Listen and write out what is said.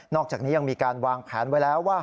อกจากนี้ยังมีการวางแผนไว้แล้วว่า